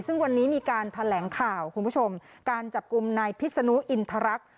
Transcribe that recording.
ซึ่งวันนี้มีการแถลงข่าวคุณผู้ชมการจับกลุ่มนายพิษนุอินทรักษ